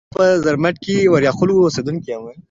زه په زرمت کې د اوریاخیلو اوسیدونکي یم.